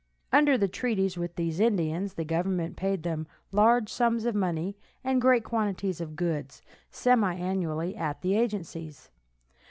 Under the treaties with these Indians the government paid them large sums of money and great quantities of goods, semi annually, at the agencies.